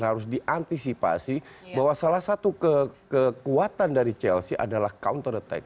harus diantisipasi bahwa salah satu kekuatan dari chelsea adalah counter attack